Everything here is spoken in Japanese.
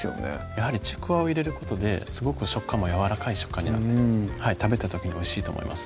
やはりちくわを入れることですごく食感もやわらかい食感になって食べた時においしいと思います